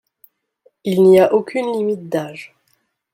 Il n'y a aucune limite d'âge.